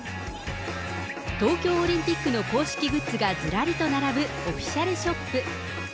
東京オリンピックの公式グッズがずらりと並ぶオフィシャルショップ。